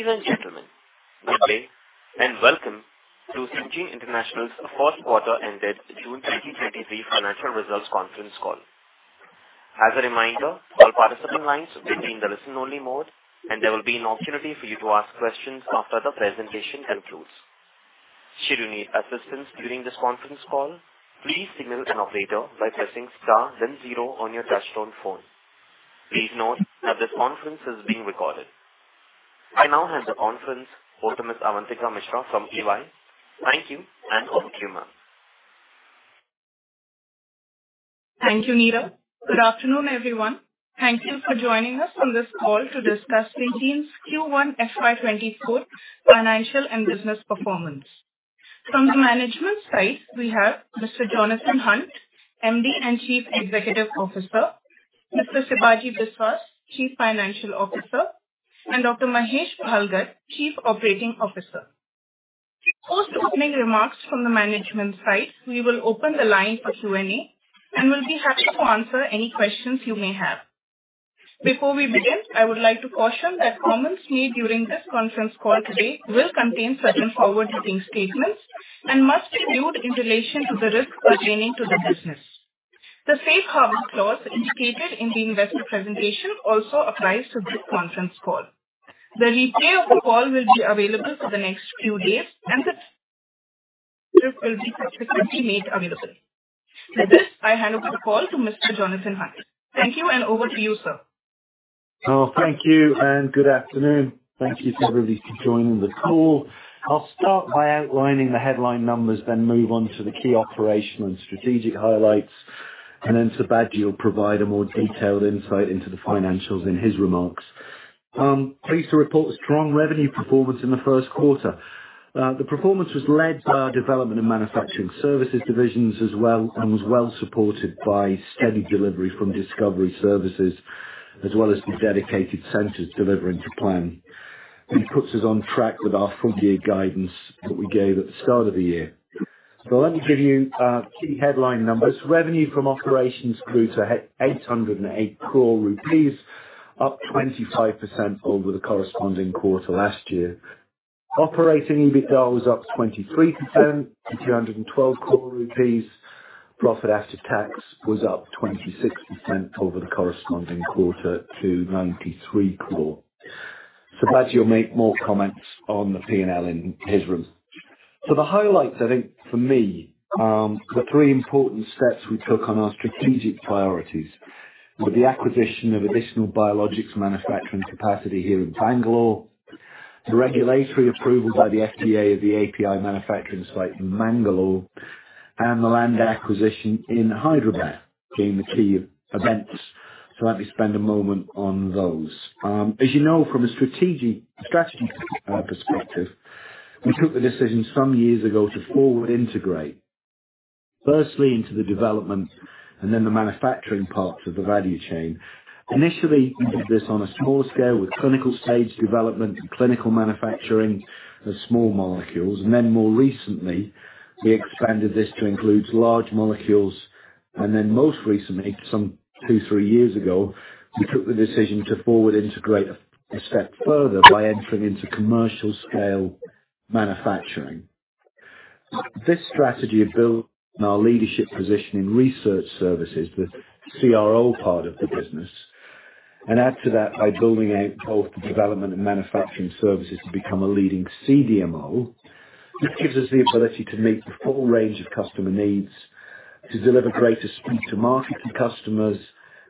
Ladies and gentlemen, good day, and welcome to Syngene International's Q1 ended June 2023 financial results conference call. As a reminder, all participant lines will be in the listen-only mode, and there will be an opportunity for you to ask questions after the presentation concludes. Should you need assistance during this conference call, please signal an operator by pressing star then zero on your touchtone phone. Please note that this conference is being recorded. I now hand the conference over to Miss Avantika Mishra from EY. Thank you, and over to you, ma'am. Thank you, Neera. Good afternoon, everyone. Thank you for joining us on this call to discuss Syngene's Q1 FY24 financial and business performance. From the management side, we have Mr. Jonathan Hunt, MD and Chief Executive Officer, Mr. Sibaji Biswas, Chief Financial Officer, and Dr. Mahesh Bhalgat, Chief Operating Officer. Post opening remarks from the management side, we will open the line for Q&A, and we'll be happy to answer any questions you may have. Before we begin, I would like to caution that comments made during this conference call today will contain certain forward-looking statements and must be viewed in relation to the risks pertaining to the business. The safe harbor clause indicated in the investor presentation also applies to this conference call. The replay of the call will be available for the next few days, and this will be subsequently made available. With this, I hand over the call to Mr. Jonathan Hunt. Thank you, over to you, sir. Thank you, and good afternoon. Thank you to everybody for joining the call. I'll start by outlining the headline numbers, then move on to the key operational and strategic highlights, and then Sibaji will provide a more detailed insight into the financials in his remarks. Pleased to report a strong revenue performance in the Q1. The performance was led by our development and manufacturing services divisions as well, and was well supported by steady delivery from discovery services, as well as the dedicated centers delivering to plan. It puts us on track with our full-year guidance that we gave at the start of the year. Let me give you key headline numbers. Revenue from operations grew to 808 crore rupees, up 25% over the corresponding quarter last year. Operating EBITDA was up 23% to 212 crore rupees. Profit after tax was up 26% over the corresponding quarter to 93 crore. Sibaji will make more comments on the P&L in his remarks. The highlights, I think for me, the three important steps we took on our strategic priorities were the acquisition of additional biologics manufacturing capacity here in Bangalore, the regulatory approval by the FDA of the API manufacturing site in Mangalore, and the land acquisition in Hyderabad being the key events. Let me spend a moment on those. As you know from a strategic perspective, we took the decision some years ago to forward integrate, firstly into the development and then the manufacturing parts of the value chain. Initially, we did this on a small scale with clinical-stage development and clinical manufacturing of small molecules, and then more recently, we expanded this to include large molecules. Most recently, some two, three years ago, we took the decision to forward integrate a step further by entering into commercial scale manufacturing. This strategy of building our leadership position in research services, the CRO part of the business, and add to that by building out both the development and manufacturing services to become a leading CDMO, this gives us the ability to meet the full range of customer needs, to deliver greater speed to market to customers,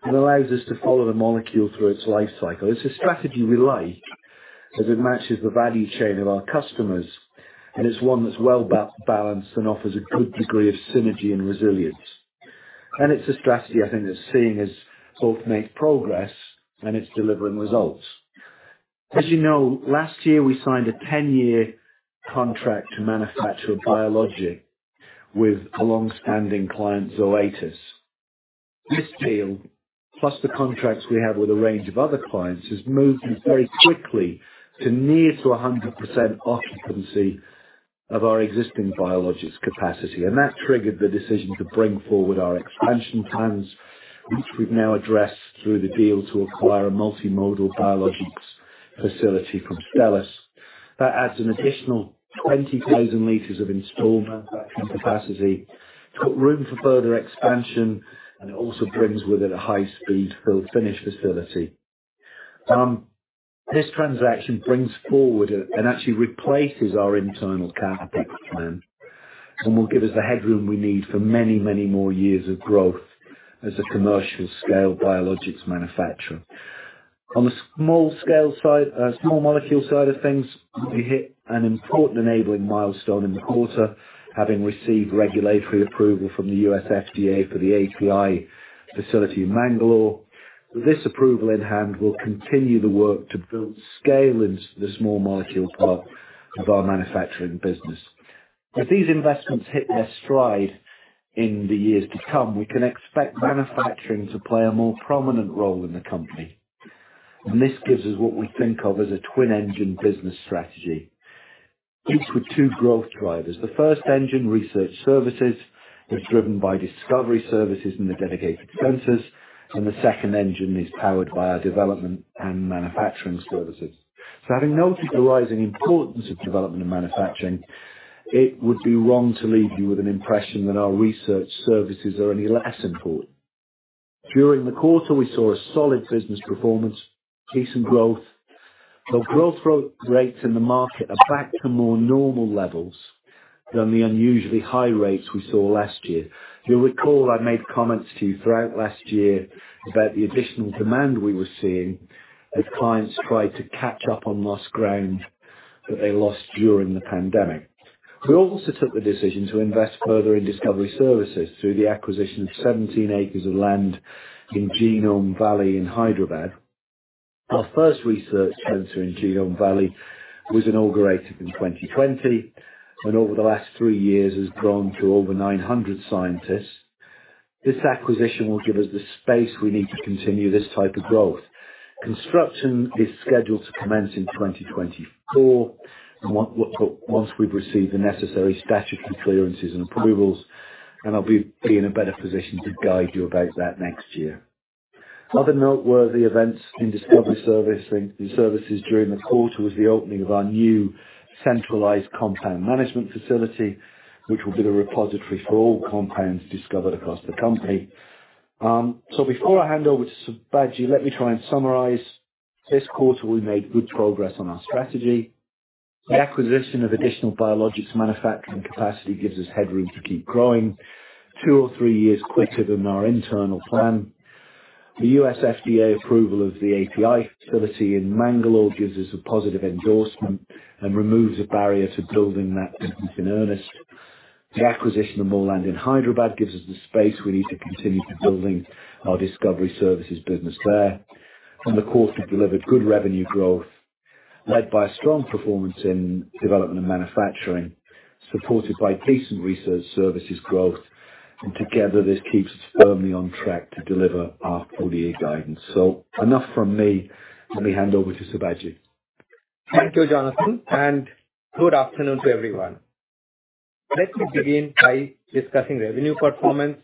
and allows us to follow the molecule through its life cycle. It's a strategy we like, as it matches the value chain of our customers, and it's one that's well balanced and offers a good degree of synergy and resilience. It's a strategy I think that's seeing us both make progress, and it's delivering results. As you know, last year, we signed a 10-year contract to manufacture a biologic with a long-standing client, Zoetis. This deal, plus the contracts we have with a range of other clients, has moved us very quickly to near to 100% occupancy of our existing biologics capacity, and that triggered the decision to bring forward our expansion plans, which we've now addressed through the deal to acquire a multimodal biologics facility from Stelis. That adds an additional 20,000 liters of installed manufacturing capacity, got room for further expansion, and it also brings with it a high-speed fill-finish facility. This transaction brings forward and actually replaces our internal capacity plan and will give us the headroom we need for many, many more years of growth as a commercial-scale biologics manufacturer. On the small scale side, small molecule side of things, we hit an important enabling milestone in the quarter, having received regulatory approval from the US FDA for the API facility in Mangalore. This approval in hand will continue the work to build scale into the small molecule part of our manufacturing business. As these investments hit their stride in the years to come, we can expect manufacturing to play a more prominent role in the company, and this gives us what we think of as a twin-engine business strategy. Each with two growth drivers. The first engine, research services, is driven by discovery services in the dedicated centers, and the second engine is powered by our development and manufacturing services. Having noted the rising importance of development and manufacturing, it would be wrong to leave you with an impression that our research services are any less important. During the quarter, we saw a solid business performance, decent growth. The growth rates in the market are back to more normal levels than the unusually high rates we saw last year. You'll recall I made comments to you throughout last year about the additional demand we were seeing as clients tried to catch up on lost ground that they lost during the pandemic. We also took the decision to invest further in discovery services through the acquisition of 17 acres of land in Genome Valley in Hyderabad. Our first research center in Genome Valley was inaugurated in 2020, and over the last three years has grown to over 900 scientists. This acquisition will give us the space we need to continue this type of growth. Construction is scheduled to commence in 2024, once we've received the necessary statutory clearances and approvals. I'll be in a better position to guide you about that next year. Other noteworthy events in services during the quarter was the opening of our new centralized compound management facility, which will be the repository for all compounds discovered across the company. Before I hand over to Sibaji, let me try and summarize. This quarter, we made good progress on our strategy. The acquisition of additional biologics manufacturing capacity gives us headroom to keep growing two or three years quicker than our internal plan. The US FDA approval of the API facility in Bangalore gives us a positive endorsement and removes a barrier to building that business in earnest. The acquisition of more land in Hyderabad gives us the space we need to continue building our discovery services business there. The quarter delivered good revenue growth, led by a strong performance in development and manufacturing, supported by decent research services growth, and together, this keeps us firmly on track to deliver our full year guidance. Enough from me. Let me hand over to Sibaji. Thank you, Jonathan. Good afternoon to everyone. Let me begin by discussing revenue performance,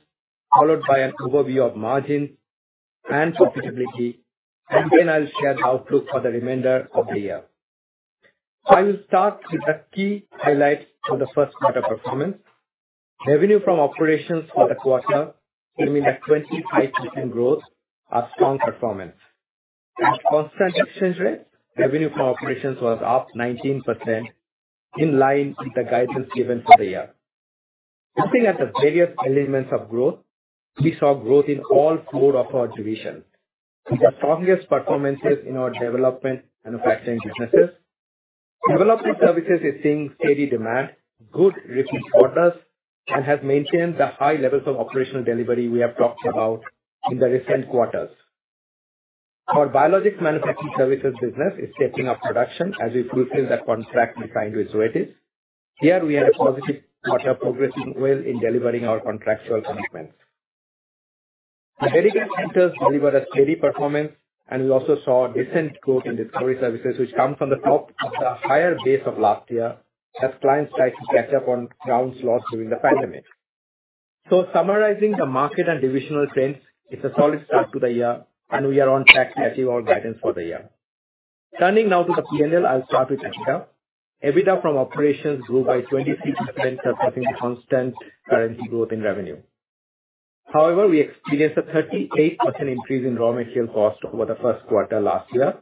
followed by an overview of margins and profitability, and then I'll share the outlook for the remainder of the year. I will start with the key highlights for the Q1 performance. Revenue from operations for the quarter came in at 25% growth, a strong performance. At constant exchange rate, revenue from operations was up 19%, in line with the guidance given for the year. Looking at the various elements of growth, we saw growth in all four of our divisions, with the strongest performances in our development and manufacturing businesses. Development services is seeing steady demand, good repeat orders, and has maintained the high levels of operational delivery we have talked about in the recent quarters. Our biologics manufacturing services business is stepping up production as we fulfill the contract we signed with Zoetis. Here we had a positive quarter, progressing well in delivering our contractual commitments. The dedicated centers delivered a steady performance, and we also saw a decent growth in discovery services, which come from the top of the higher base of last year, as clients try to catch up on ground loss during the pandemic. Summarizing the market and divisional trends, it's a solid start to the year, and we are on track to achieve our guidance for the year. Turning now to the P&L, I'll start with EBITDA. EBITDA from operations grew by 23%, surpassing the constant currency growth in revenue. However, we experienced a 38% increase in raw material costs over the Q1 last year.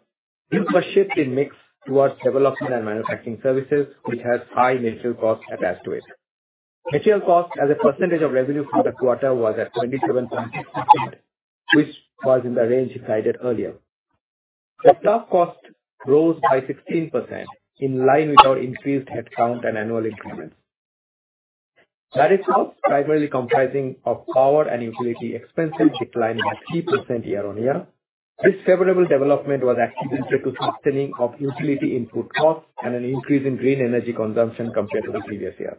This was shift in mix towards development and manufacturing services, which has high material costs attached to it. Material costs as a percentage of revenue for the quarter was at 27.6%, which was in the range we guided earlier. The staff cost rose by 16%, in line with our increased headcount and annual increments. That is primarily comprising of power and utility expenses declined by 3% year-on-year. This favorable development was attributed to strengthening of utility input costs and an increase in green energy consumption compared to the previous year.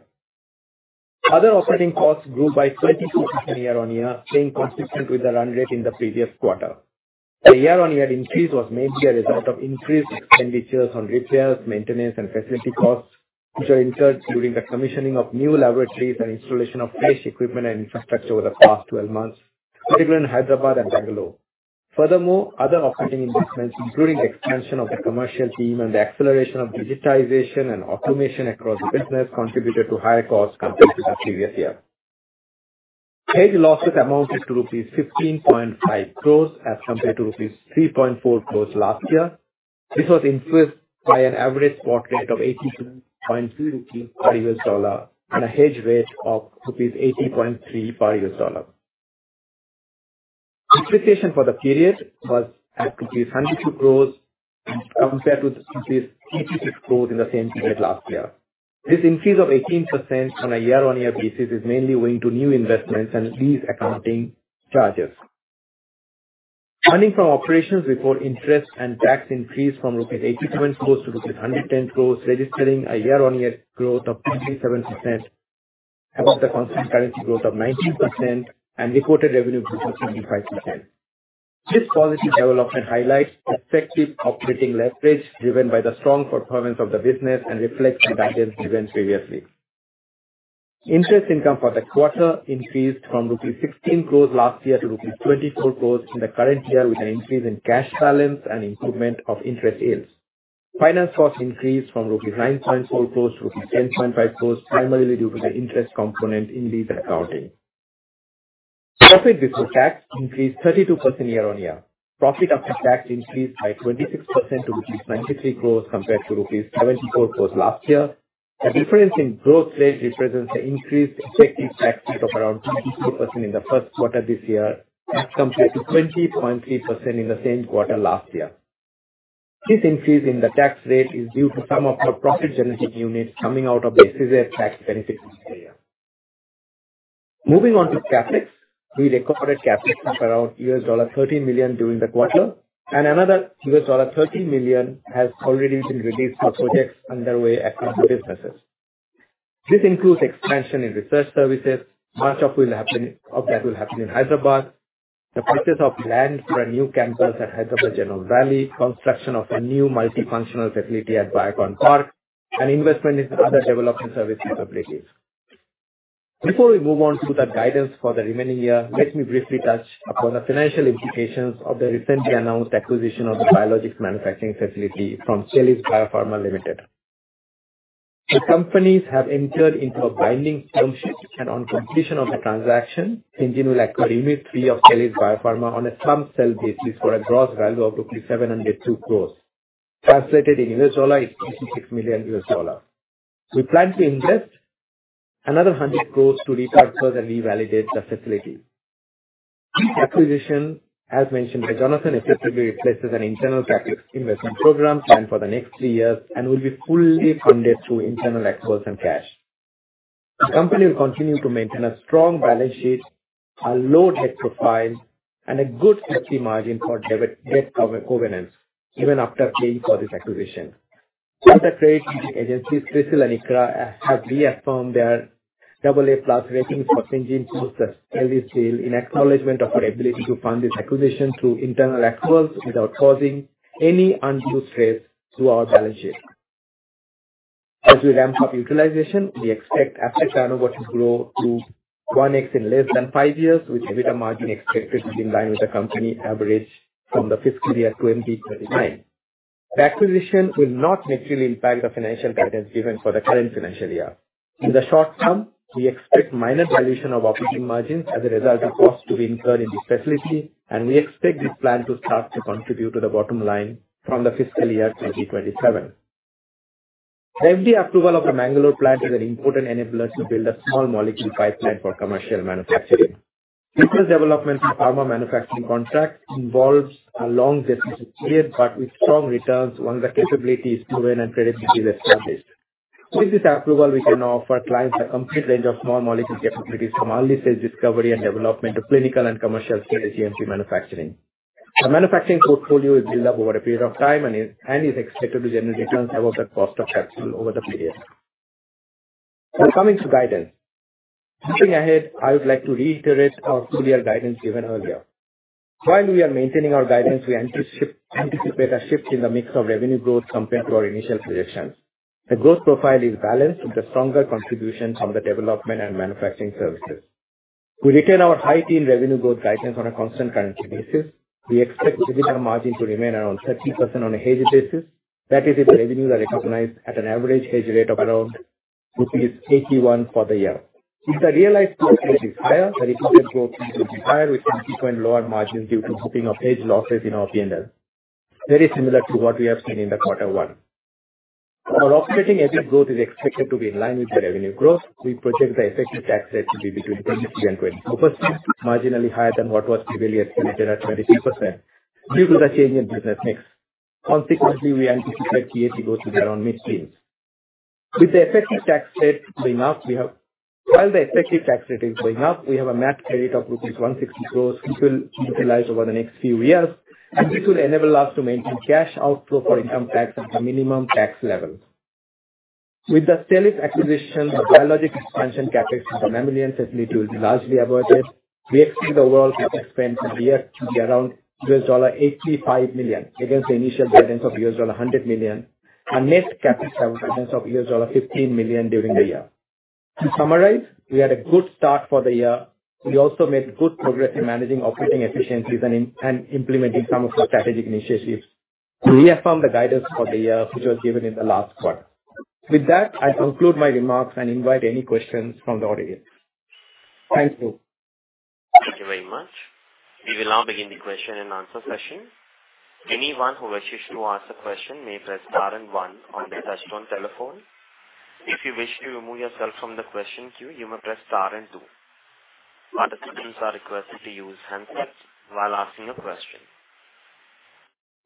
Other operating costs grew by 22% year-on-year, staying consistent with the run rate in the previous quarter. The year-over-year increase was mainly a result of increased expenditures on repairs, maintenance, and facility costs, which are incurred during the commissioning of new laboratories and installation of fresh equipment and infrastructure over the past 12 months, particularly in Hyderabad and Bengaluru. Other operating investments, including the expansion of the commercial team and the acceleration of digitization and automation across the business, contributed to higher costs compared to the previous year. Trade losses amounted to rupees 15.5 crore as compared to rupees 3.4 crore last year. This was influenced by an average spot rate of 87.2 rupees per US dollar and a hedge rate of rupees 80.3 per US dollar. Depreciation for the period was at rupees 102 crore, compared to rupees 86 crore in the same period last year. This increase of 18% on a year-on-year basis is mainly owing to new investments and lease accounting charges. Earnings from operations before interest and tax increased from rupees 87 crores to rupees 110 crores, registering a year-on-year growth of 27%. above the constant currency growth of 19% and recorded revenue growth of 25%. This positive development highlights effective operating leverage driven by the strong performance of the business and reflects the guidance given previously. Interest income for the quarter increased from rupees 16 crores last year to rupees 24 crores in the current year, with an increase in cash balance and improvement of interest yields. Finance costs increased from rupees 9.4 crores to rupees 10.5 crores, primarily due to the interest component in lease accounting. Profit before tax increased 32% year-on-year. Profit after tax increased by 26% to rupees 93 crores compared to rupees 74 crores last year. The difference in growth rate represents an increased effective tax rate of around 22% in the Q1 this year, as compared to 20.3% in the same quarter last year. This increase in the tax rate is due to some of our profit-generating units coming out of the deferred tax benefit this year. Moving on to CapEx, we recorded CapEx of around $13 million during the quarter, and another $13 million has already been released for projects underway at our businesses. This includes expansion in research services, much of that will happen in Hyderabad, the purchase of land for a new campus at Hyderabad Genome Valley, construction of a new multifunctional facility at Biocon Park, and investment in other development service capabilities. Before we move on to the guidance for the remaining year, let me briefly touch upon the financial implications of the recently announced acquisition of the biologics manufacturing facility from Stelis Biopharma Limited. The companies have entered into a binding term sheet. On completion of the transaction, Syngene will acquire Unit 3 of Stelis Biopharma on a lump sum basis for a gross value of 702 crores. Translated in U.S. dollar, it's $56 million. We plan to invest another 100 crores to refurbish and revalidate the facility. This acquisition, as mentioned by Jonathan, effectively replaces an internal CapEx investment program planned for the next three years and will be fully funded through internal accruals and cash. The company will continue to maintain a strong balance sheet, a low debt profile, and a good safety margin for debt cover governance even after paying for this acquisition. Other credit rating agencies, CRISIL and ICRA, have reaffirmed their AA+ rating for Syngene to successfully seal in acknowledgment of our ability to fund this acquisition through internal accruals without causing any undue stress to our balance sheet. As we ramp up utilization, we expect asset turnover to grow to 1X in less than five years, with EBITDA margin expected to be in line with the company average from the fiscal year 2039. The acquisition will not materially impact the financial guidance given for the current financial year. In the short term, we expect minor dilution of operating margins as a result of costs to be incurred in this facility. We expect this plan to start to contribute to the bottom line from the fiscal year 2027. The FDA approval of the Bengaluru plant is an important enabler to build a small molecule pipeline for commercial manufacturing. Business development in pharma manufacturing contract involves a long decision period, but with strong returns once the capability is proven and credibility is established. With this approval, we can now offer clients a complete range of small molecule capabilities from early stage discovery and development to clinical and commercial-scale GMP manufacturing. The manufacturing portfolio is built up over a period of time and is expected to generate returns above the cost of capital over the period. Coming to guidance. Looking ahead, I would like to reiterate our full year guidance given earlier. While we are maintaining our guidance, we anticipate a shift in the mix of revenue growth compared to our initial projections. The growth profile is balanced with a stronger contribution from the development and manufacturing services. We retain our high-teen revenue growth guidance on a constant currency basis. We expect EBITDA margin to remain around 30% on a hedge basis. That is, if the revenues are recognized at an average hedge rate of around rupees 81 for the year. If the realized hedge rate is higher, the reported growth will be higher, which can equate lower margins due to booking of hedge losses in our P&L, very similar to what we have seen in the Q1. Our operating EBIT growth is expected to be in line with the revenue growth. We project the effective tax rate to be between 23%-24%, marginally higher than what was previously estimated at 22% due to the change in business mix. Consequently, we anticipate PAT growth to be around mid-teens. While the effective tax rate is going up, we have a net credit of rupees 160 crores, which we'll utilize over the next few years, and this will enable us to maintain cash outflow for income tax at the minimum tax level. With the Stelis acquisition, the biologic expansion CapEx from mammalian facility will be largely avoided. We expect the overall CapEx spend for the year to be around $85 million, against the initial guidance of $100 million, and net capital guidance of $15 million during the year. To summarize, we had a good start for the year. We also made good progress in managing operating efficiencies and implementing some of our strategic initiatives. We affirm the guidance for the year, which was given in the last quarter. With that, I conclude my remarks and invite any questions from the audience. Thank you. Thank you very much. We will now begin the question and answer session. Anyone who wishes to ask a question may press star and one on their touch-tone telephone. If you wish to remove yourself from the question queue, you may press star and two. Participants are requested to use handsets while asking a question.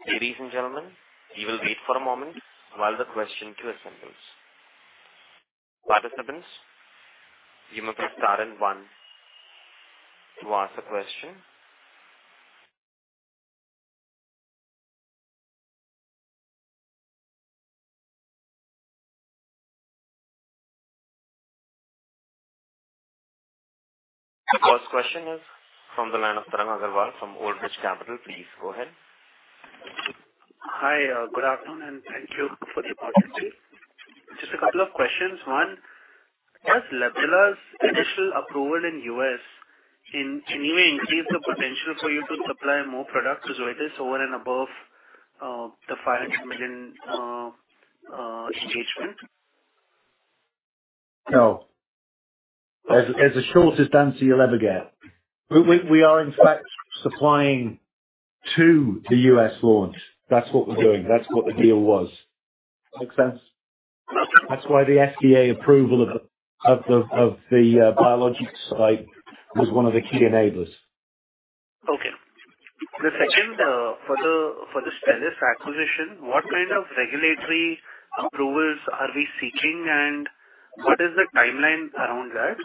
Ladies and gentlemen, we will wait for a moment while the question queue assembles. Participants, you may press star and one to ask a question. The first question is from the line of Tarang Agrawal from Old Bridge Capital. Please go ahead. Hi, good afternoon, and thank you for the opportunity. Just a couple of questions. One, does Librela's initial approval in U.S. in any way increase the potential for you to supply more products to Zoetis over and above the $500 million engagement? No. As a short answer you'll ever get. We are in fact supplying to the U.S. launch. That's what we're doing. That's what the deal was. Make sense? Okay. That's why the FDA approval of the biologics site was one of the key enablers. Okay. The second, for the Stelis acquisition, what kind of regulatory approvals are we seeking, and what is the timeline around that?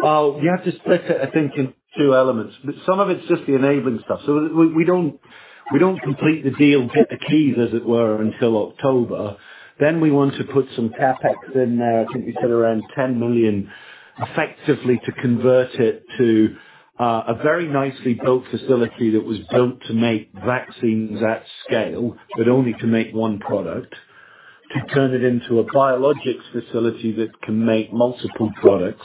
We have to split it, I think, in two elements. Some of it's just the enabling stuff. We don't complete the deal, get the keys, as it were, until October. We want to put some CapEx in there, I think we said around $10 million, effectively to convert it to a very nicely built facility that was built to make vaccines at scale, but only to make one product. To turn it into a biologics facility that can make multiple products.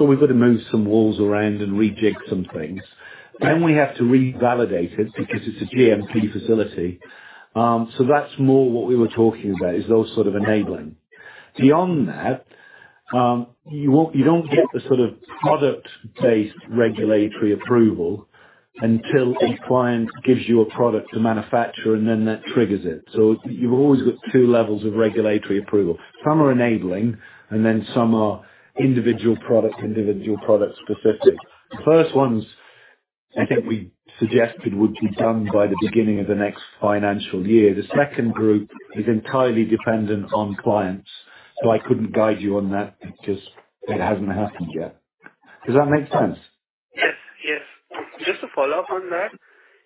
We've got to move some walls around and rejig some things. We have to revalidate it, because it's a GMP facility. That's more what we were talking about, is those sort of enabling. Beyond that, you won't... You don't get the sort of product-based regulatory approval until a client gives you a product to manufacture, and then that triggers it. You've always got two levels of regulatory approval. Some are enabling, and then some are individual product specific. The first ones, I think we suggested, would be done by the beginning of the next financial year. The second group is entirely dependent on clients, so I couldn't guide you on that because it hasn't happened yet. Does that make sense? Yes. Just to follow up on that,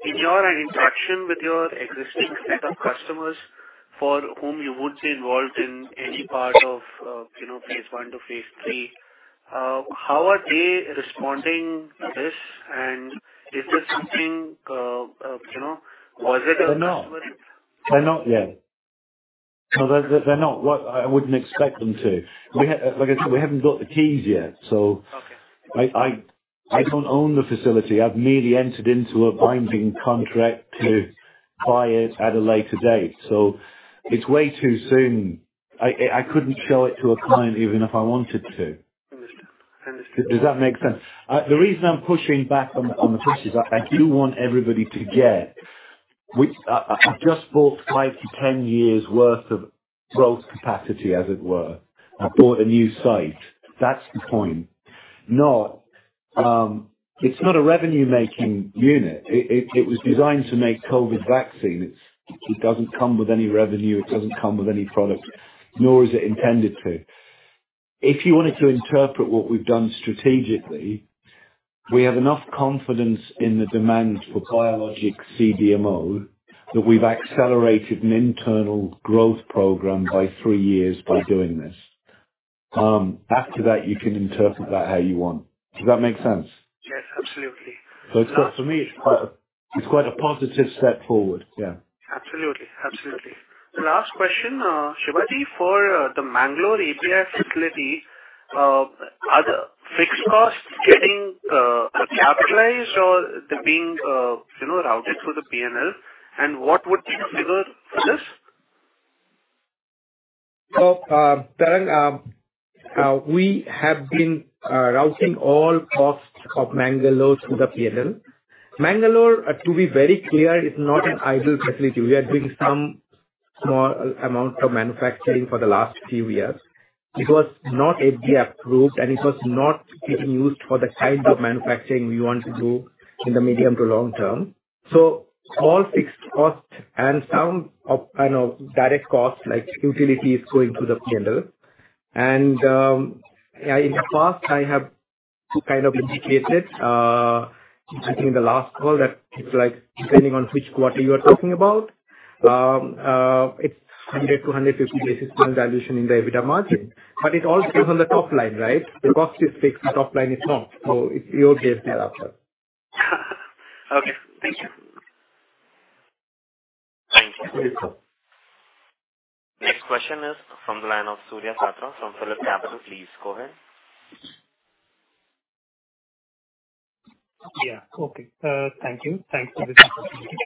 in your interaction with your existing set of customers, for whom you would say involved in any part of, you know, phase one to phase three, how are they responding to this? Is there something, you know, They're not. They're not yet. No, they're not what I wouldn't expect them to. Like I said, we haven't got the keys yet, so. Okay. I don't own the facility. I've merely entered into a binding contract to buy it at a later date. It's way too soon. I couldn't show it to a client even if I wanted to. Understood. Understood. Does that make sense? The reason I'm pushing back on the, on the questions, I do want everybody to get, which I've just bought five to 10 years worth of growth capacity, as it were. I've bought a new site. That's the point. Not, it's not a revenue-making unit. It was designed to make COVID vaccines. It doesn't come with any revenue, it doesn't come with any product, nor is it intended to. If you wanted to interpret what we've done strategically, we have enough confidence in the demand for biologic CDMO, that we've accelerated an internal growth program by 3 years by doing this. After that, you can interpret that how you want. Does that make sense? Yes, absolutely. It's, for me, it's quite a, it's quite a positive step forward. Yeah. Absolutely. Absolutely. The last question, Sibaji, for the Mangalore API facility, are the fixed costs getting capitalized or they're being, you know, routed through the PNL? What would be the figure for this? Tarang, we have been routing all costs of Mangalore through the PNL. Mangalore, to be very clear, is not an idle facility. We are doing some small amount of manufacturing for the last few years. It was not FDA approved, and it was not getting used for the kind of manufacturing we want to do in the medium to long term. All fixed costs and some of, kind of, direct costs, like utility, is going through the PNL. Yeah, in the past, I have to, kind of, indicate it, I think the last call that it's like, depending on which quarter you are talking about, it's 100-150 basis point dilution in the EBITDA margin. It all comes on the top line, right? The cost is fixed, the top line is not, so it's your guess thereafter. Okay. Thank you. Thank you. Welcome. Next question is from the line of Surya Patra, from PhillipCapital. Please go ahead. Yeah. Okay. Thank you. Thanks for the presentation.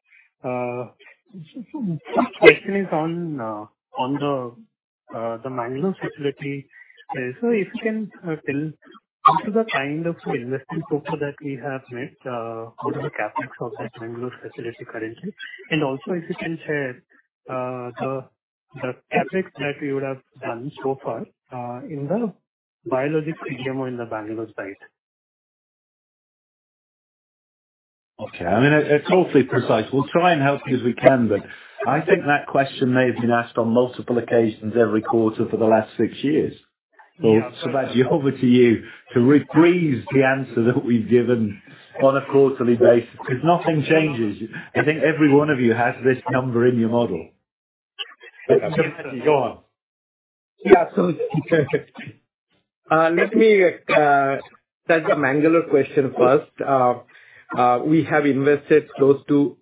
My question is on the Mangalore facility. If you can tell, what is the kind of investment so far that we have made, what are the CapEx of that Mangalore facility currently? Also, if you can share the CapEx that we would have done so far in the biologics CDMO in the Bangalore site. Okay. I mean, it's awfully precise. We'll try and help you as we can, but I think that question may have been asked on multiple occasions every quarter for the last six years. Subhash, over to you to rephrase the answer that we've given on a quarterly basis, because nothing changes. I think every one of you has this number in your model. Go on. Let me touch the Mangalore question first. We have invested close to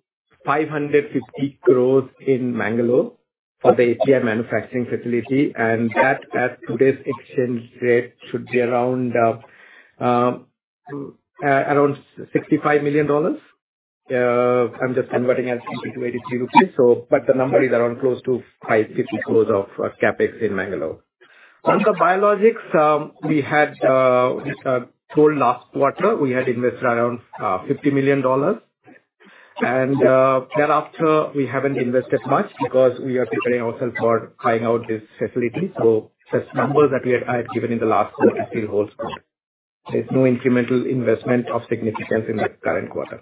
550 crores in Mangalore for the API manufacturing facility, and that, at today's exchange rate, should be around around $65 million. I'm just converting as 80-83 rupees. The number is around close to 550 crores of CapEx in Mangalore. On the biologics, we had told last quarter, we had invested around $50 million. Thereafter, we haven't invested much because we are preparing ourselves for carrying out this facility. That number that we had, I had given in the last quarter still holds good. There's no incremental investment of significance in the current quarter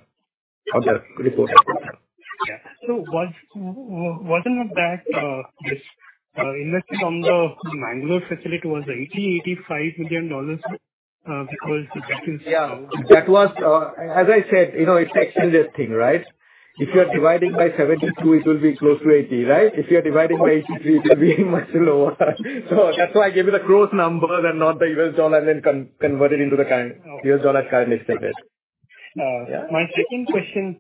of the reported quarter. Yeah. Wasn't it that, this, invested on the Mangalore facility was $80 million, $85 million? Because that is. Yeah, that was, as I said, you know, it's the exchange rate thing, right? If you are dividing by 72, it will be close to 80, right? If you are dividing by 83, it will be much lower. That's why I gave you the gross numbers and not the U.S. dollar, and then converted into the current. Okay. U.S. dollar current exchange rate. Uh- Yeah. My second question,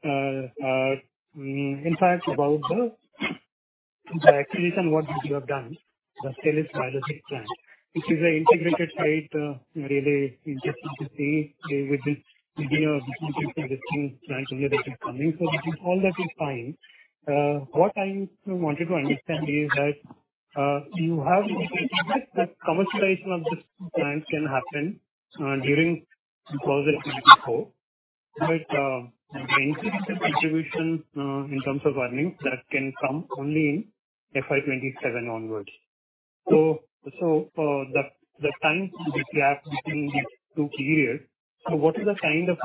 in fact, about the acquisition what you have done, the Stelis biologics plant. Which is an integrated site, really interesting to see with this, you know, different existing plants immediately coming. This is all that is fine. What I wanted to understand is that you have indicated that commercialization of this plant can happen during fiscal 2024. The increased contribution in terms of earnings, that can come only in FY 27 onwards. The time gap between these two key years, what is the kind of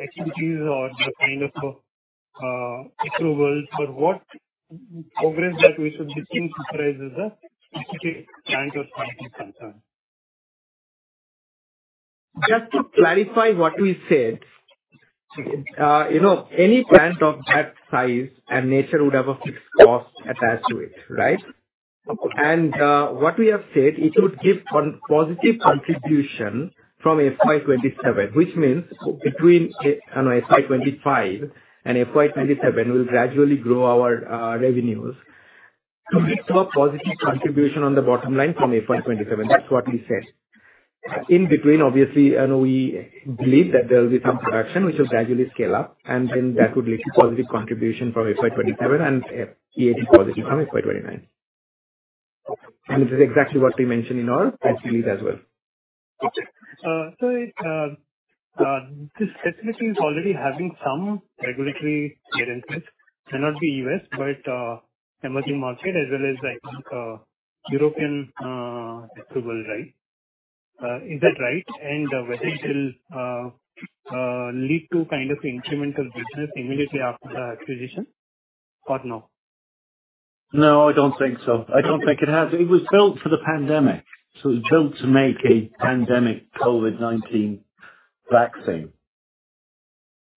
activities or the kind of approvals, or what progress that we should between surprises the specific plant was concerned? Just to clarify what we said. You know, any plant of that size and nature would have a fixed cost attached to it, right? Okay. What we have said, it would give positive contribution from FY 2027. Which means between FY 2025 and FY 2027, we'll gradually grow our revenues. We saw a positive contribution on the bottom line from FY 2027. That's what we said. In between, obviously, we believe that there will be some production which will gradually scale up, and then that would lead to positive contribution from FY 2027 and a year positive from FY 2029. Okay. This is exactly what we mentioned in our press release as well. Okay. This facility is already having some regulatory clearances. May not be U.S., but emerging market as well as, I think, European approval right? Is that right? Whether it will lead to kind of incremental business immediately after the acquisition or no? No, I don't think so. I don't think it has. It was built for the pandemic, so it was built to make a pandemic COVID-19 vaccine.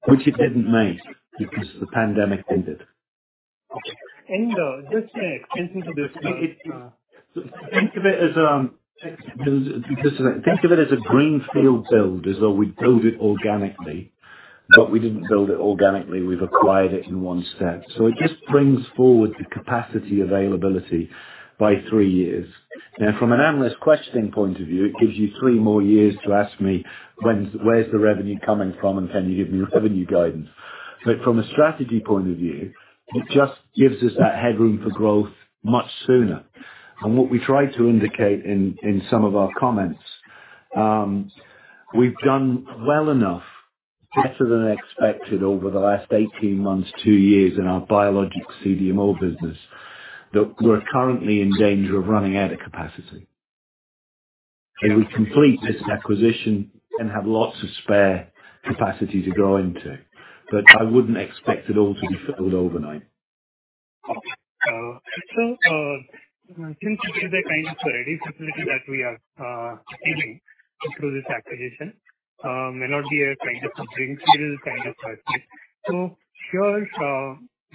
Which it didn't make because the pandemic ended. Okay. Just to add into this. Think of it as a greenfield build, as though we built it organically, but we didn't build it organically, we've acquired it in 1 step. It just brings forward the capacity availability by three years. Now, from an analyst questioning point of view, it gives you three more years to ask me when's, where's the revenue coming from, and can you give me revenue guidance? From a strategy point of view, it just gives us that headroom for growth much sooner. What we tried to indicate in some of our comments, we've done well enough, better than expected, over the last 18 months, two years, in our biologic CDMO business, that we're currently in danger of running out of capacity. If we complete this acquisition, then have lots of spare capacity to grow into. I wouldn't expect it all to be filled overnight. Okay. Since it is a kind of a ready facility that we are taking through this acquisition, may not be a kind of a greenfield kind of project. Here's,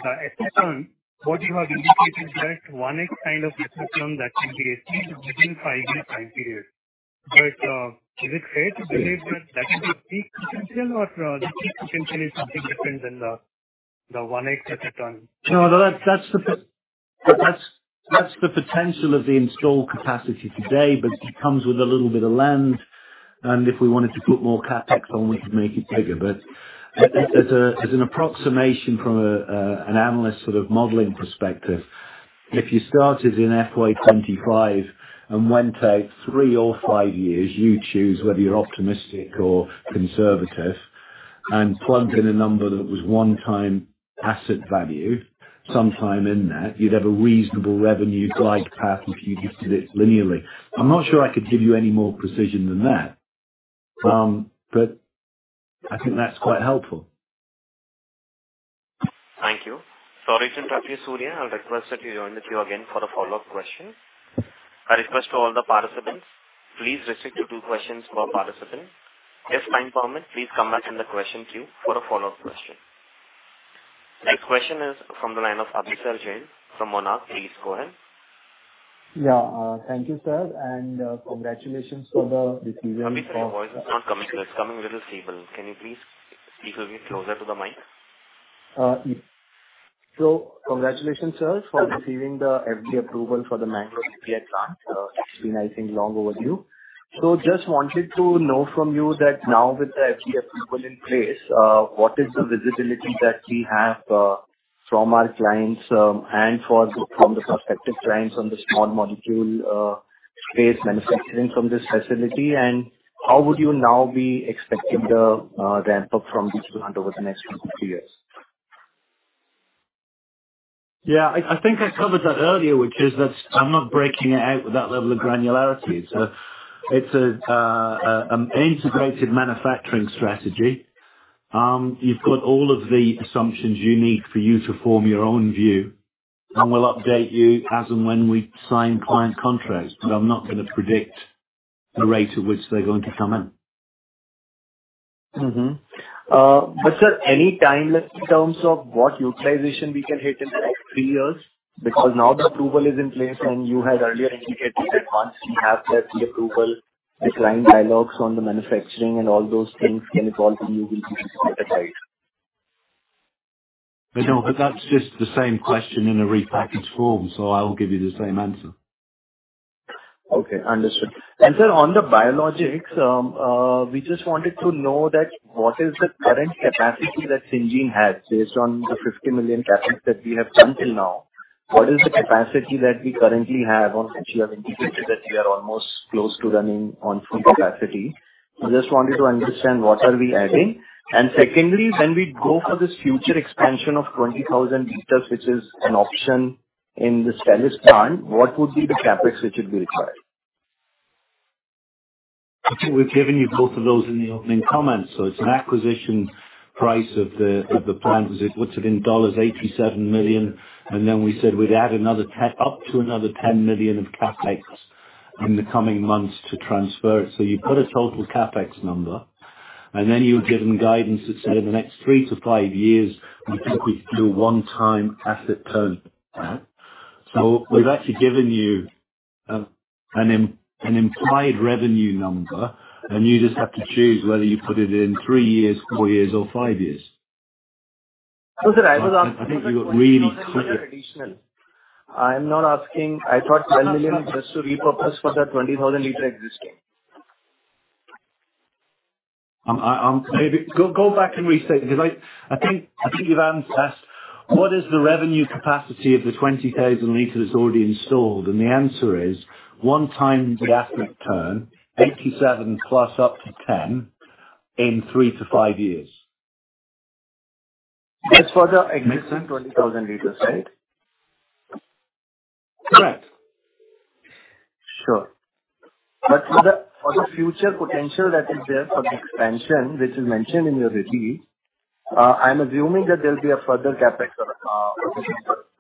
the asset turn, what you have indicated, that 1x kind of asset turn, that can be achieved within five years time period. Is it fair to believe that can be peak potential or, the peak potential is something different than the 1x asset turn? No, that's the potential of the installed capacity today, but it comes with a little bit of land, and if we wanted to put more CapEx on, we could make it bigger. As an approximation from an analyst sort of modeling perspective, if you started in FY 2025 and went out three or five years, you choose whether you're optimistic or conservative, and plugged in a number that was one-time asset value, sometime in that, you'd have a reasonable revenue glide path if you gifted it linearly. I'm not sure I could give you any more precision than that. I think that's quite helpful. Sorry, Patra Surya, I'll request that you join the queue again for the follow-up question. I request to all the participants, please restrict to two questions per participant. If time permit, please come back in the question queue for a follow-up question. Next question is from the line of Abhisar Jain from Monarch. Please go ahead. Yeah, thank you, sir, and, congratulations for the decision-. Abhisar, your voice is not coming through. It's coming very stable. Can you please speak a bit closer to the mic? Congratulations, sir, for receiving the FDA approval for the Mangalore API plant. It's been, I think, long overdue. Just wanted to know from you that now with the FDA approval in place, what is the visibility that we have from our clients, and for the, from the prospective clients on the small molecule space manufacturing from this facility? How would you now be expecting the ramp-up from this plant over the next couple few years? Yeah, I think I covered that earlier, which is that I'm not breaking it out with that level of granularity. It's an integrated manufacturing strategy. You've got all of the assumptions you need for you to form your own view, and we'll update you as and when we sign client contracts. I'm not gonna predict the rate at which they're going to come in. Sir, any timeline in terms of what utilization we can hit in the next three years? Now the approval is in place, and you had earlier indicated that once we have that approval, the client dialogues on the manufacturing and all those things can evolve and you will be able to clarify. No, but that's just the same question in a repackaged form. I'll give you the same answer. Okay, understood. Sir, on the biologics, we just wanted to know that what is the current capacity that Syngene has, based on the 50 million CapEx that we have done till now? What is the capacity that we currently have on, since you have indicated that you are almost close to running on full capacity? I just wanted to understand what are we adding? Secondly, when we go for this future expansion of 20,000 liters, which is an option in the Spain plant, what would be the CapEx which would be required? We've given you both of those in the opening comments. It's an acquisition price of the plant. What's it in dollars? $87 million, and then we said we'd add another $10 million... up to another $10 million of CapEx in the coming months to transfer it. You've got a total CapEx number, and then you've given guidance that said in the next three to five years, we think we do a one-time asset turn. Right? We've actually given you an implied revenue number, and you just have to choose whether you put it in three years, four years, or five years. Sir, I was asking- I think you're really clever. Additional. I'm not asking, I thought 10 million just to repurpose for that 20,000 liter existing. I maybe go back and rethink because I think you've asked, "What is the revenue capacity of the 20,000 liters that's already installed?" The answer is, one time the asset turn, 87 plus up to 10, in three to five years. That's for the existing 20,000 liters, right? Correct. Sure. For the future potential that is there for the expansion, which is mentioned in your release, I'm assuming that there'll be a further CapEx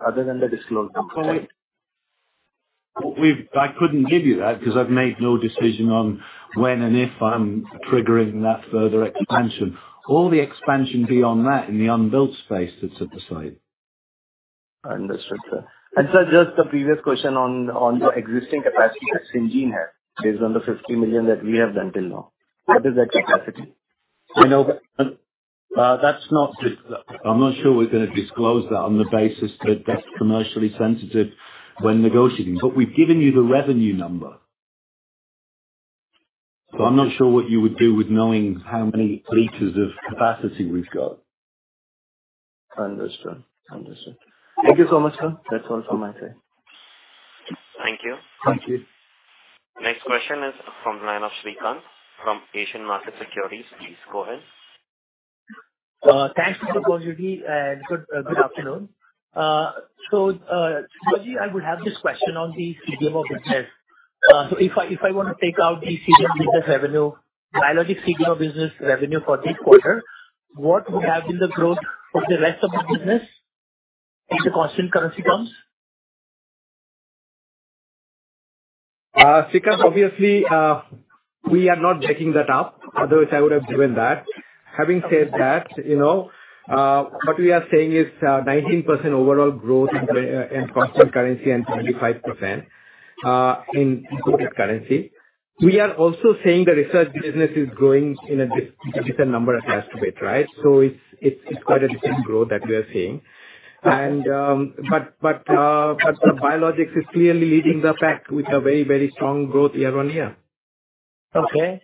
other than the disclosed one. I couldn't give you that because I've made no decision on when and if I'm triggering that further expansion. All the expansion beyond that in the unbuilt space, that's at the site. Understood, sir. Sir, just the previous question on the existing capacity that Syngene has, based on the $50 million that we have done till now, what is that capacity? I know, but, I'm not sure we're gonna disclose that on the basis that that's commercially sensitive when negotiating. We've given you the revenue number. I'm not sure what you would do with knowing how many liters of capacity we've got. Understood. Understood. Thank you so much, sir. That's all from my side. Thank you. Thank you. Next question is from the line of Srikanth, from Asian Markets Securities. Please go ahead. Thanks for the opportunity, good afternoon. Sibaji, I would have this question on the segment of business. If I want to take out the segment business revenue, biologics segment of business revenue for this quarter, what would have been the growth for the rest of the business in the constant currency terms? Srikanth, obviously, we are not breaking that up, otherwise I would have given that. Having said that, you know, what we are saying is, 19% overall growth in constant currency and 25% in reported currency. We are also saying the research business is growing in a different number attached to it, right? It's quite a different growth that we are seeing. The biologics is clearly leading the pack with a very, very strong growth year-on-year. Okay.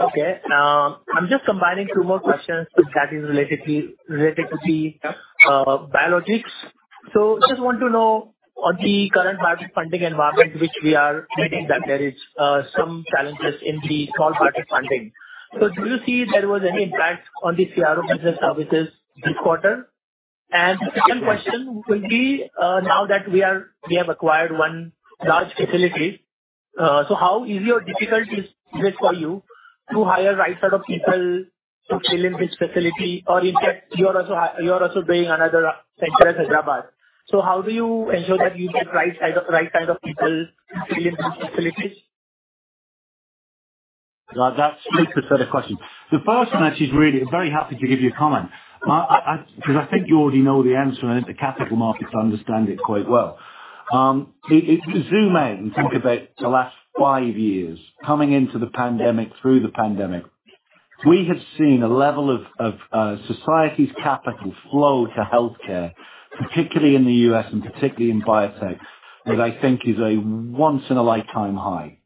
Okay, I'm just combining two more questions, so that is related to the biologics. Just want to know on the current private funding environment, which we are reading, that there is some challenges in the small private funding. Do you see there was any impact on the CRO business services this quarter? The second question will be, now that we have acquired one large facility. How easy or difficult is this for you, to hire right set of people to fill in this facility? Or in fact, you are also building another center in Hyderabad. How do you ensure that you get right set of people to fill in these facilities? Well, that's two separate questions. The first one actually is really, very happy to give you a comment. I, 'cause I think you already know the answer, and the capital markets understand it quite well. If you zoom out and think about the last five years, coming into the pandemic, through the pandemic, we have seen a level of society's capital flow to healthcare, particularly in the U.S. and particularly in biotech, that I think is a once in a lifetime high.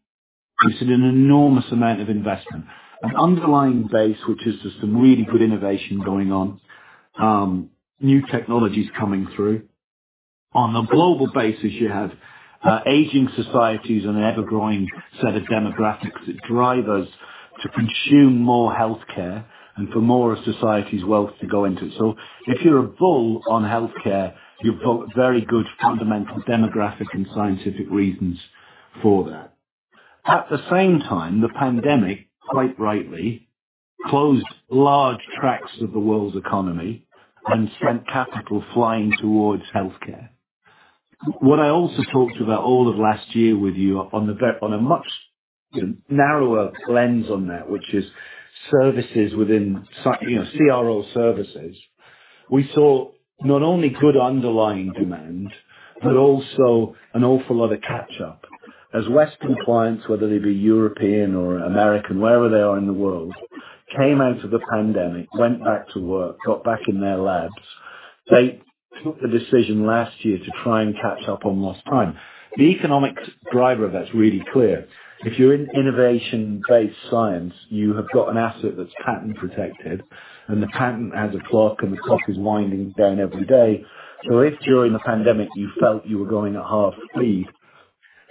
We've seen an enormous amount of investment. An underlying base, which is just some really good innovation going on. New technologies coming through. On a global basis, you have aging societies and an ever-growing set of demographics, that drive us to consume more healthcare and for more of society's wealth to go into it. If you're a bull on healthcare, you've got very good fundamental demographic and scientific reasons for that. At the same time, the pandemic, quite rightly, closed large tracks of the world's economy and sent capital flying towards healthcare. I also talked about all of last year with you, on a much, you know, narrower lens on that, which is services within, you know, CRO services. We saw not only good underlying demand, but also an awful lot of catch up. As Western clients, whether they be European or American, wherever they are in the world, came out of the pandemic, went back to work, got back in their labs. They took the decision last year to try and catch up on lost time. The economic driver of that's really clear. If you're in innovation-based science, you have got an asset that's patent protected, and the patent has a clock, and the clock is winding down every day. If during the pandemic you felt you were going at half speed,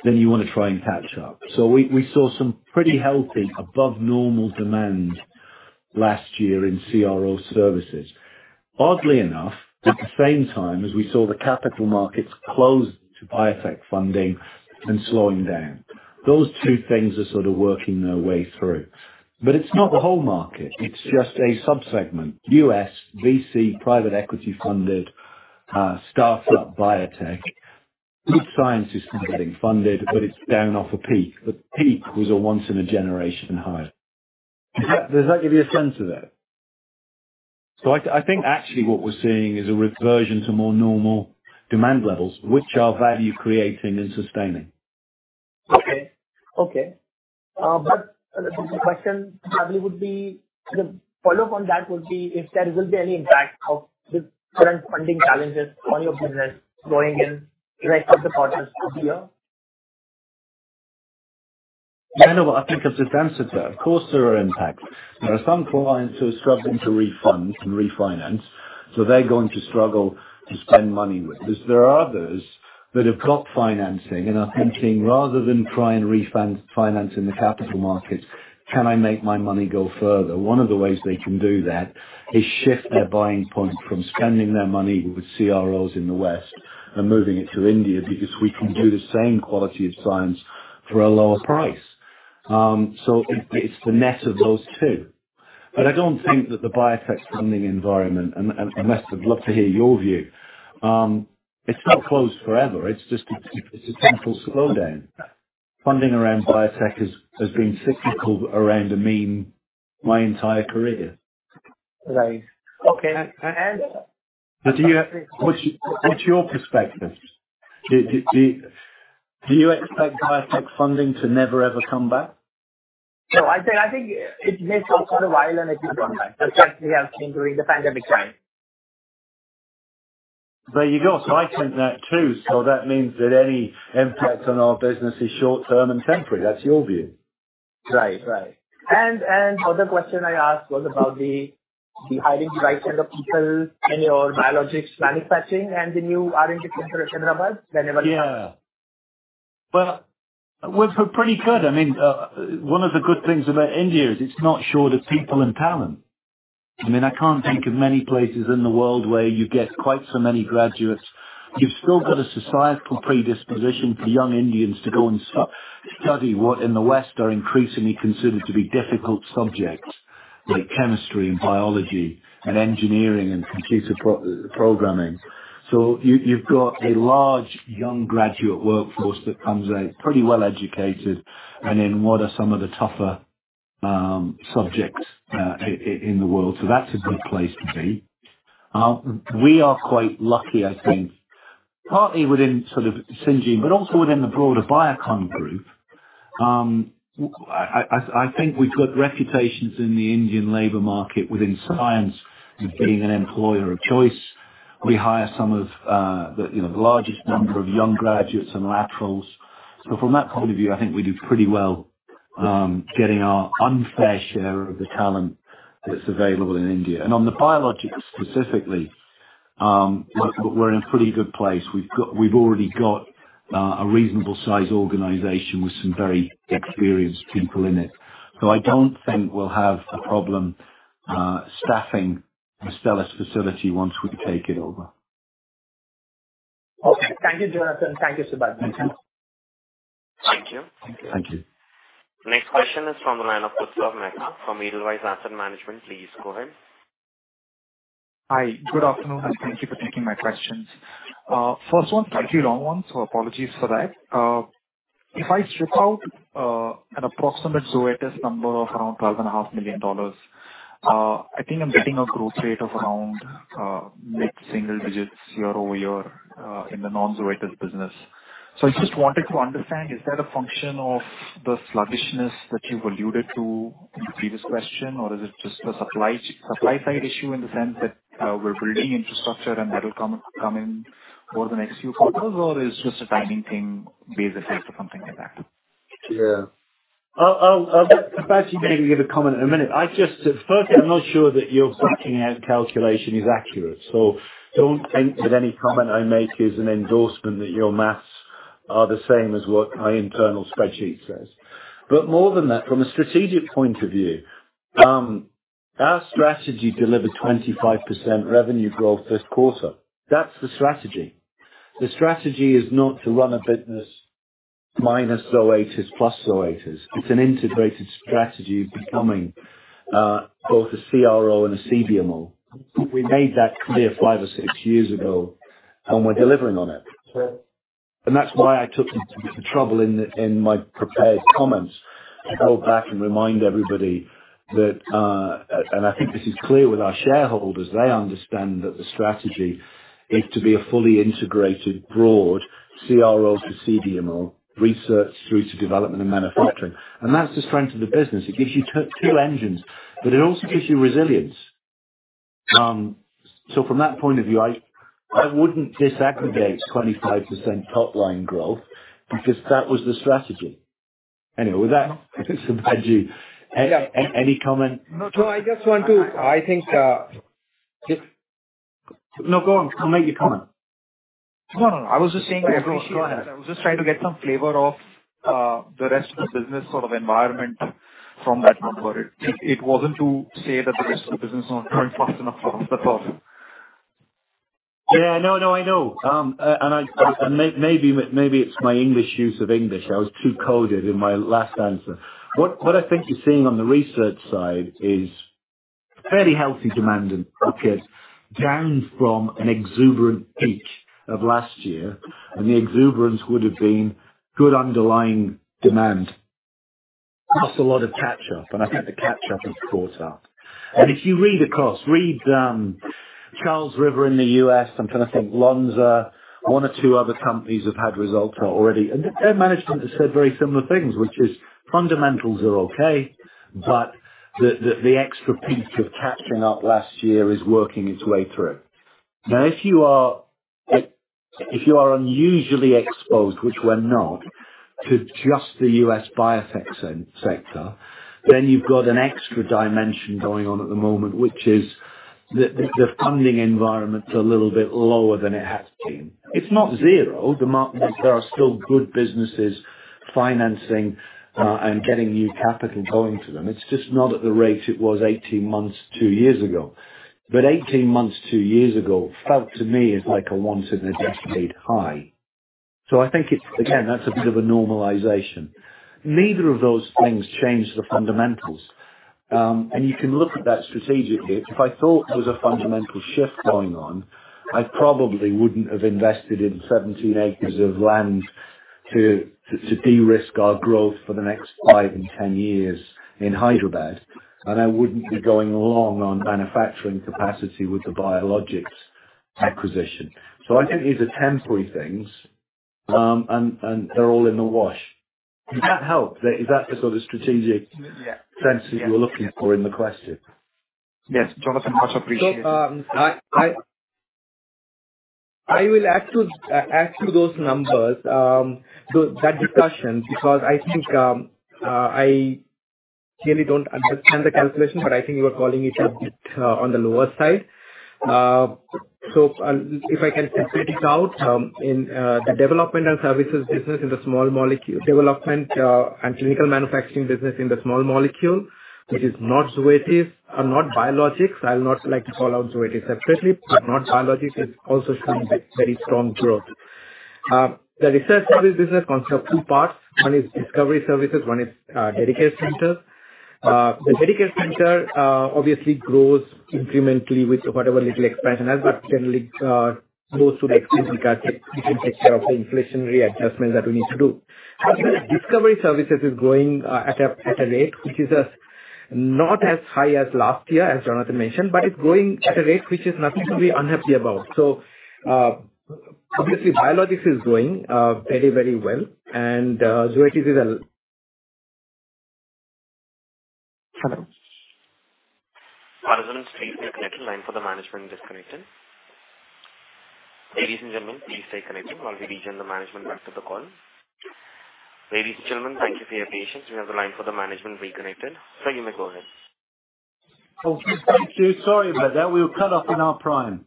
then you want to try and catch up. We saw some pretty healthy, above normal demand last year in CRO services. Oddly enough, at the same time as we saw the capital markets close to biotech funding and slowing down. Those two things are sort of working their way through. It's not the whole market, it's just a subsegment. U.S., VC, private equity funded, startup biotech. Good science is still getting funded, but it's down off a peak. The peak was a once in a generation high. Does that give you a sense of that? I think actually what we're seeing is a reversion to more normal demand levels, which are value creating and sustaining. Okay. Okay. The follow-up on that would be, if there will be any impact of the current funding challenges on your business going in rest of the quarters this year? You know what, I think there's an answer to that. Of course, there are impacts. There are some clients who are struggling to refund and refinance, so they're going to struggle to spend money with us. There are others that have got financing and are thinking, "Rather than try and refund finance in the capital markets, can I make my money go further?" One of the ways they can do that, is shift their buying point from spending their money with CROs in the West and moving it to India, because we can do the same quality of science for a lower price. It's the net of those two. I don't think that the biotech funding environment, and Wes, I'd love to hear your view. It's not closed forever, it's just a temporal slowdown. Funding around biotech has been cyclical around the mean, my entire career. Right. Okay. What's your perspective? Do you expect biotech funding to never, ever come back? No, I think it may take a little while, and it will come back, exactly as we have seen during the pandemic time. There you go. I think that, too. That means that any impact on our business is short term and temporary. That's your view. Right. Right. Other question I asked was about the hiring the right set of people in your biologics manufacturing and the new R&D center in Hyderabad. Yeah. Well, we're pretty good. I mean, one of the good things about India is it's not short of people and talent. I mean, I can't think of many places in the world where you get quite so many graduates. You've still got a societal predisposition for young Indians to go and study what, in the West, are increasingly considered to be difficult subjects, like chemistry and biology and engineering and computer programming. You, you've got a large young graduate workforce that comes out pretty well educated and in what are some of the tougher subjects in the world. That's a good place to be. We are quite lucky, I think, partly within sort of Syngene, but also within the broader Biocon group. I think we've got reputations in the Indian labor market, within science, of being an employer of choice. We hire some of the, you know, the largest number of young graduates and laterals. From that point of view, I think we do pretty well, getting our unfair share of the talent that's available in India. On the biologics, specifically, we're in a pretty good place. We've already got a reasonable size organization with some very experienced people in it. I don't think we'll have a problem staffing the Stelis facility once we take it over. Okay, thank you, Jonathan. Thank you, Sibaji. Thank you. Thank you. Next question is from the line of Utsav Mehta from Edelweiss Asset Management. Please go ahead. Hi, good afternoon, thank you for taking my questions. First one, quite a long one, apologies for that. If I strip out an approximate Zoetis number of around twelve and a half million dollars, I think I'm getting a growth rate of around mid-single digits year-over-year in the non-Zoetis business. I just wanted to understand, is that a function of the sluggishness that you've alluded to in the previous question? Or is it just a supply side issue in the sense that we're building infrastructure and that'll come in over the next few quarters, or it's just a timing thing basically, or something like that? Yeah. I'll actually maybe give a comment in a minute. I just first, I'm not sure that your backing out calculation is accurate, so don't take that any comment I make is an endorsement that your maths are the same as what my internal spreadsheet says. More than that, from a strategic point of view, our strategy delivered 25% revenue growth Q1. That's the strategy. The strategy is not to run a business minus Zoetis, plus Zoetis. It's an integrated strategy becoming both a CRO and a CDMO. We made that clear five or six years ago, and we're delivering on it. Sure. That's why I took the trouble in my prepared comments to go back and remind everybody that, and I think this is clear with our shareholders, they understand that the strategy is to be a fully integrated, broad CRO to CDMO, research through to development and manufacturing. That's the strength of the business. It gives you two engines, it also gives you resilience. From that point of view, I wouldn't disaggregate 25% hotline growth because that was the strategy. Anyway, with that, Sibaji, do you... Any comment? No, I just want to... I think. No, go on. Come make your comment. No, no, I was just saying. Go ahead. I was just trying to get some flavor of the rest of the business sort of environment from that number. It wasn't to say that the rest of the business is not growing fast enough or something. Yeah. No, no, I know. I, and maybe it's my English use of English. I was too coded in my last answer. What I think you're seeing on the research side is fairly healthy demand in pockets, down from an exuberant peak of last year, and the exuberance would have been good underlying demand, plus a lot of catch-up, and I think the catch-up has caught up. If you read the costs, read Charles River in the U.S., I'm trying to think, Lonza, one or two other companies have had results already. Their management has said very similar things, which is fundamentals are okay, but the extra peak of catching up last year is working its way through. If you are unusually exposed, which we're not, to just the U.S. biotech sector, then you've got an extra dimension going on at the moment, which is the funding environment is a little bit lower than it has been. It's not zero. The market, there are still good businesses financing, and getting new capital going to them. It's just not at the rate it was 18 months, two years ago. 18 months, two years ago, felt to me as like a once in a decade high. I think it's, again, that's a bit of a normalization. Neither of those things change the fundamentals. You can look at that strategically. If I thought there was a fundamental shift going on, I probably wouldn't have invested in 17 acres of land to de-risk our growth for the next five and 10 years in Hyderabad, and I wouldn't be going along on manufacturing capacity with the biologics acquisition. I think these are temporary things, and they're all in the wash. Does that help? Is that the sort of strategic sense that you're looking for in the question? Yes, Jonathan, much appreciated. I will add to those numbers, so that discussion, because I think, I clearly don't understand the calculation, but I think you are calling it a bit on the lower side. If I can separate it out in the development and services business in the small molecule development and clinical manufacturing business in the small molecule, which is not Zoetis, not biologics. I'll not like to call out Zoetis separately, but not biologics, it's also seeing very strong growth. The research service business consists of two parts. One is discovery services, one is dedicated centers. The dedicated center obviously grows incrementally with whatever little expansion has, but generally goes through the extension that we can take care of the inflationary adjustments that we need to do. Discovery Services is growing at a rate which is not as high as last year, as Jonathan mentioned, but it's growing at a rate which is nothing to be unhappy about. Obviously, biologics is doing very, very well, and Zoetis is. Please stay connected. Line for the management disconnected. Ladies and gentlemen, please stay connected while we rejoin the management back to the call. Ladies and gentlemen, thank you for your patience. We have the line for the management reconnected. Sir, you may go ahead. Oh, thank you. Sorry about that. We were cut off in our prime.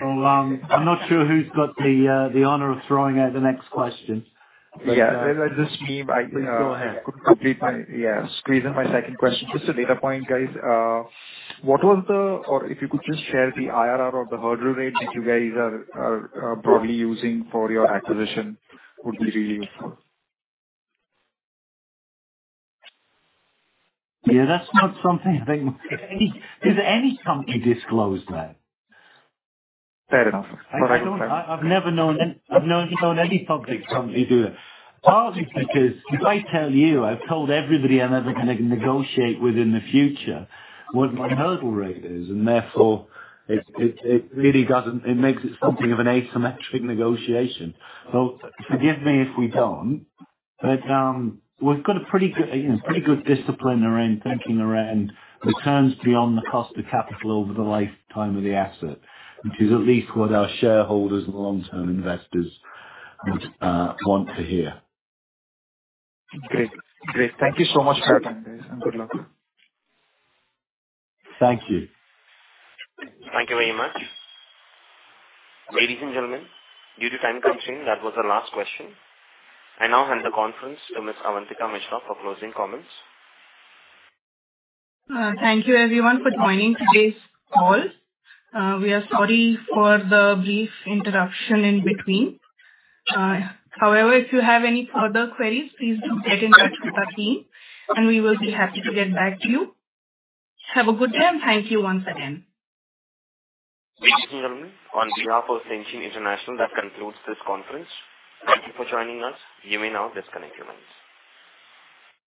I'm not sure who's got the honor of throwing out the next question. Yeah. This is me. Please go ahead. Yeah, squeezing my second question. Just a data point, guys. If you could just share the IRR or the hurdle rate that you guys are broadly using for your acquisition, would be really useful? Yeah, that's not something I think... Has any company disclosed that? Fair enough. I've never known any public company do it. Partly because if I tell you, I've told everybody I'm ever going to negotiate with in the future, what my hurdle rate is, and therefore, it really doesn't make it something of an asymmetric negotiation. Forgive me if we don't, but, we've got a pretty good discipline around thinking around returns beyond the cost of capital over the lifetime of the asset. Which is at least what our shareholders and long-term investors would want to hear. Great. Great. Thank you so much for your time, guys, and good luck. Thank you. Thank you very much. Ladies and gentlemen, due to time constraint, that was our last question. I now hand the conference to Miss Avantika Mishra for closing comments. Thank you everyone for joining today's call. We are sorry for the brief interruption in between. However, if you have any further queries, please do get in touch with our team, and we will be happy to get back to you. Have a good day, and thank you once again. Ladies and gentlemen, on behalf of Syngene International, that concludes this conference. Thank you for joining us. You may now disconnect your lines.